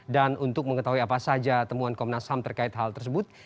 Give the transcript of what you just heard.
dan untuk mengetahui apa saja temuan komnas ham terkait hal tersebut